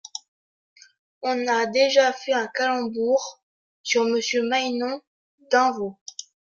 On a déjà fait un calembour sur Monsieur Maynon d'Invaux.